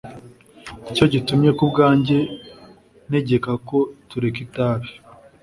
Ni cyo gitumye ku bwanjye ntegeka ko tureka itabi.